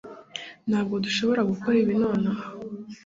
ntabwo dushobora gukora ibi nonaha